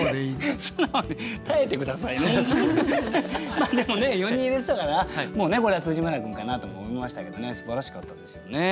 まあでもね４人入れてたからもうねこれは村君かなとも思いましたけどね素晴らしかったですよね。